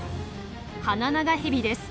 ハナナガヘビです。